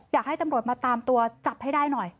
อยากให้ตำรวจมาตามตัวจับให้ได้หน่อย